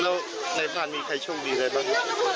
แล้วในพลาดมีใครโชคดีใดบ้าง